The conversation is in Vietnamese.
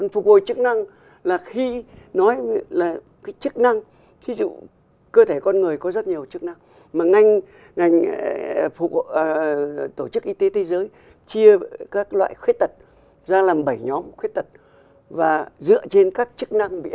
phục hồi chức năng là khi nói là cái chức năng thí dụ cơ thể con người có rất nhiều chức năng mà ngành tổ chức y tế thế giới chia các loại khuyết tật ra làm bảy nhóm khuyết tật và dựa trên các chức năng